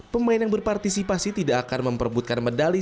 pemain yang berpartisipasi tidak akan memperbutkan medali